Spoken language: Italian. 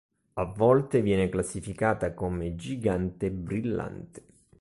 A volte viene classificata come gigante brillante.